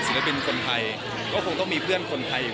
คุณแม่น้องให้โอกาสดาราคนในผมไปเจอคุณแม่น้องให้โอกาสดาราคนในผมไปเจอ